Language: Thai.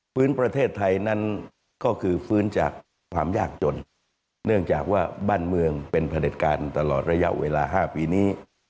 ประเทศไทยนั้นก็คือฟื้นจากความยากจนเนื่องจากว่าบ้านเมืองเป็นผลิตการตลอดระยะเวลา๕ปีนี้